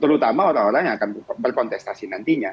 terutama orang orang yang akan berkontestasi nantinya